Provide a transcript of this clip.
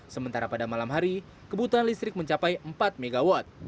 sementara pada malam hari kebutuhan listrik mencapai empat mw